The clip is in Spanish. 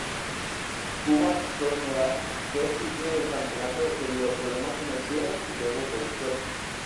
Kuban Krasnodar fue excluido del campeonato debido a problemas financieros, y luego fue disuelto.